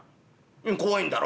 「うん怖いんだろ？」。